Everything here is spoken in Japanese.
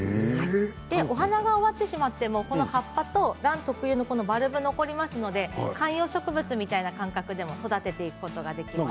お花が終わってしまってもこの葉っぱとラン特有のバルブが残りますので観葉植物みたいな感覚でも育てていくことができます。